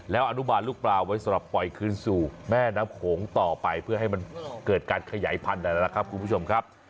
แล้วอนุบาลลูกปลาไว้สำหรับปล่อยคืนสู่แม่น้ำโขงต่อไปเพื่อให้มันเกิดการขยายพันธุ์นะครับคุณผู้ชมครับ